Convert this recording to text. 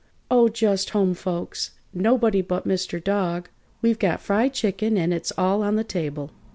"Oh, just home folks. Nobody but Mr. Dog. We've got fried chicken and it's all on the table."